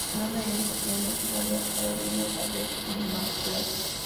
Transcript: Su nombre en castellano es: "María Carolina Isabel Inmaculada".